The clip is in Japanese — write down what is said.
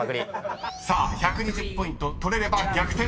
［さあ１２０ポイント取れれば逆転。